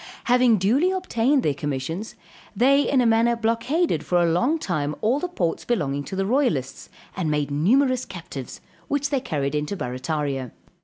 Having duly obtained their commissions, they in a manner blockaded for a long time all the ports belonging to the royalists, and made numerous captives, which they carried into Barrataria.